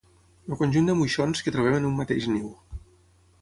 El conjunt de moixons que trobem en un mateix niu.